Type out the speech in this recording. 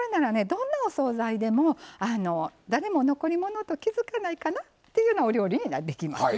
どんなお総菜でも誰も残り物と気付かないかなというようなお料理ができますよ。